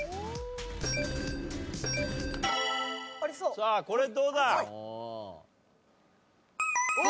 さあこれどうだ？